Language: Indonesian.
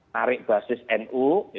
tarik basis nu